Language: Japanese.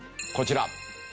こちら。